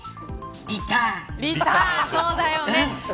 そうだよね。